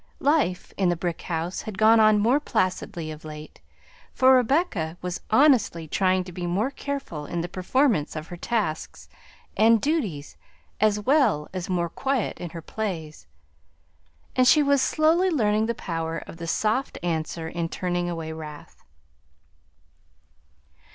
Life in the brick house had gone on more placidly of late, for Rebecca was honestly trying to be more careful in the performance of her tasks and duties as well as more quiet in her plays, and she was slowly learning the power of the soft answer in turning away wrath.